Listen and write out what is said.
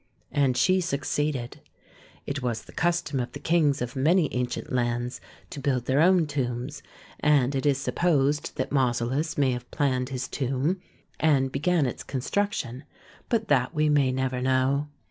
And she succeeded. It was the custom of the kings of many ancient lands to build their own tombs, and it is supposed that Mausolus may have planned his tomb and 134 THE SEVEN WONDERS began its construction, but that we may never know.